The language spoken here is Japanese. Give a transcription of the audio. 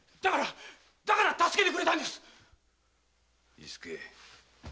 伊助。